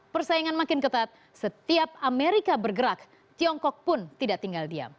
persaingan makin ketat setiap amerika bergerak tiongkok pun tidak tinggal diam